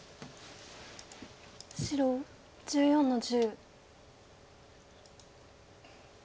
白１４の十。